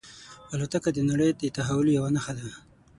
الوتکه د نړۍ د تحول یوه نښه ده.